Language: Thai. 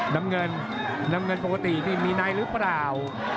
น้ำเงินน้ำเงินปกตินี่มีในหรือเปล่า